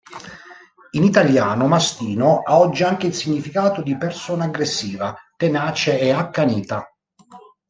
In italiano, "mastino" ha oggi anche il significato di "persona aggressiva, tenace e accanita".